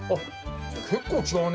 結構違うね。